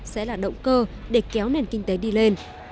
sẽ là động cơ để kéo nền kinh tế đi lên